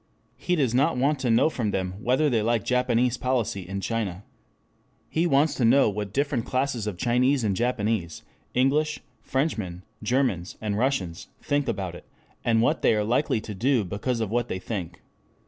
He does not want to know from them whether they like Japanese policy in China. He wants to know what different classes of Chinese and Japanese, English, Frenchmen, Germans, and Russians, think about it, and what they are likely to do because of what they think.